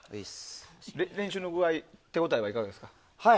練習の手応えはいかがですか？